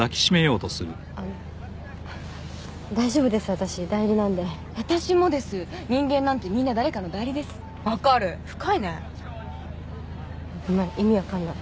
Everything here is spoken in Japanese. あの大丈夫です私代理なんで私もです人間なんてみんな誰かの代理ですわかる深いねごめん意味わかんない